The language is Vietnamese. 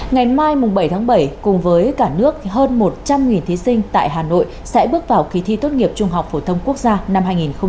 ngày mai bảy tháng bảy cùng với cả nước hơn một trăm linh thí sinh tại hà nội sẽ bước vào kỳ thi tốt nghiệp trung học phổ thông quốc gia năm hai nghìn hai mươi